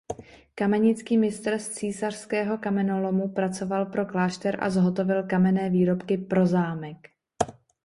Kamenický mistr z císařského kamenolomu pracoval pro klášter a zhotovil kamenné výrobky pro zámek.